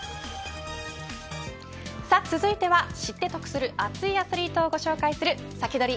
さあ続いては、知って得する熱いアスリートをご紹介するサキドリ！